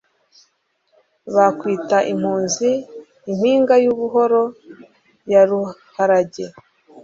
Bakwita impunzi Impinga y'ubuhoro ya Ruharage,